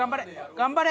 頑張れ！